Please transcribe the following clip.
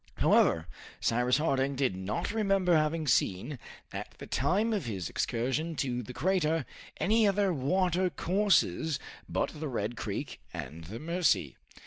However, Cyrus Harding did not remember having seen, at the time of his excursion to the crater, any other watercourses but the Red Creek and the Mercy.